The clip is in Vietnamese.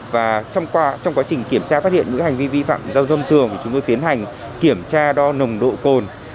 và trong quá trình kiểm tra phát hiện những hành vi vi phạm giao thông tường thì chúng tôi tiến hành kiểm tra đo nồng độ cồn